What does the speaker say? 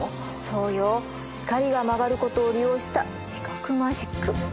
そうよ光が曲がることを利用した視覚マジック。